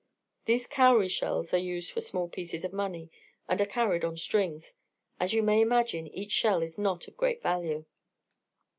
These cowrie shells are used for small pieces of money and are carried on strings. As you may imagine, each shell is not of a great value.